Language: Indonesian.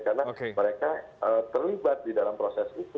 karena mereka terlibat di dalam proses itu